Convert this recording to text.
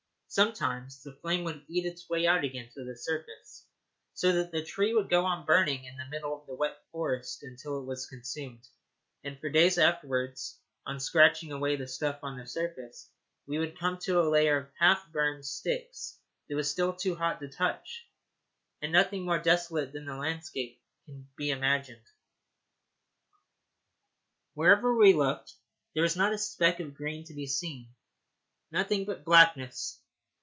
Sometimes the flame would eat its way out again to the surface, so that the tree would go on burning in the middle of the wet forest until it was consumed; and for days afterwards, on scratching away the stuff on the surface, we would come to a layer of half burned sticks that was still too hot to touch. And nothing more desolate than the landscape can be imagined. Wherever we looked there was not a speck of green to be seen nothing but blackness.